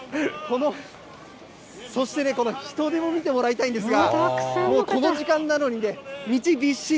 そしてね、この人出も見てもらいたいんですが、もうこの時間なのに、道びっしり。